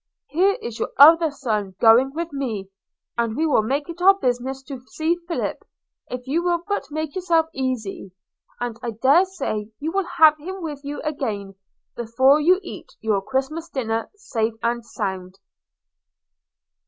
– Here is your other son going with me – and we will make it our business to see Philip, if you will but make yourselves easy – and I dare say you will have him with you again, before you eat your Christmas dinner, safe and sound.'